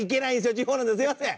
地方なんですいません。